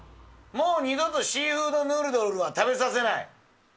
もう二度とシーフードヌードルは食べさせない！